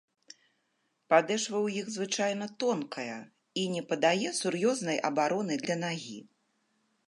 Падэшва ў іх звычайна тонкая і не падае сур'ёзнай абароны для нагі.